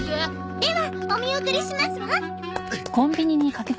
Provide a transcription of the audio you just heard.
ではお見送りしますわ。